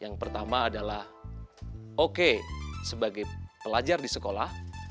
yang pertama adalah oke sebagai pelajar di sekolah